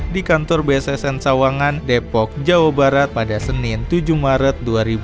di kantor bssn sawangan depok jawa barat pada senin tujuh maret dua ribu dua puluh